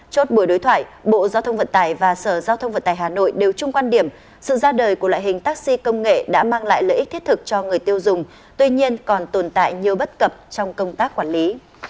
chốt buổi đối thoại bộ giao thông vận tải và sở giao thông vận tải hà nội đều chung quan điểm sự ra đời của loại hình taxi công nghệ đã mang lại lợi ích thiết thực cho người tiêu dùng tuy nhiên còn tồn tại nhiều bất cập trong công tác quản lý